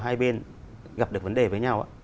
hai bên gặp được vấn đề với nhau